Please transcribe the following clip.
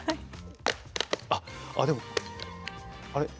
あっあっでもあれ？